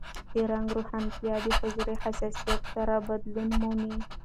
د رنګ روښانتیا د حجرې حساسیت سره بدلون مومي.